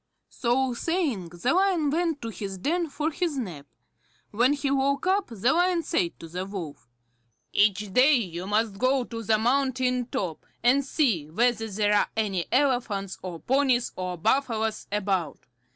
So saying, the Lion went into his den for his nap. When he woke up, the Lion said to the Wolf: "Each day you must go to the mountain top, and see whether there are any elephants, or ponies, or buffaloes about.